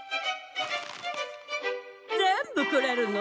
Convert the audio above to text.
全部くれるの？